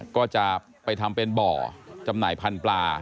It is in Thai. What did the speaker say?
ก็จะไปทำเป็นบ่อจำหน่ายพันธุ์ปลา